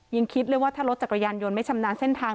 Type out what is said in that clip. ยังคิดเลยว่าถ้ารถจักรยานยนต์ไม่ชำนาญเส้นทาง